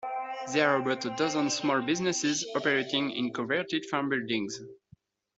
There are about a dozen small businesses operating in converted farm buildings.